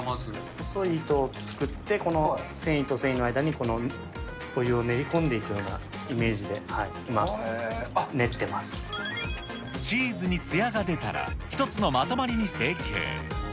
細い糸を作って、繊維と繊維の間にこのお湯を練り込んでいくようなイメージで、今、練ってまチーズにつやが出たら、１つのまとまりに成形。